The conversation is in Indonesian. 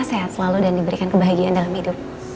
sehat selalu dan diberikan kebahagiaan dalam hidup